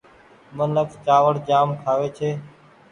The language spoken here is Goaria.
منک چآوڙ جآم کآوي ڇي ۔